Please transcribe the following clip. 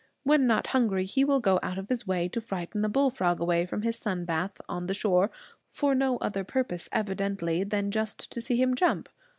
When not hungry he will go out of his way to frighten a bullfrog away from his sun bath on the shore, for no other purpose, evidently, than just to see him jump.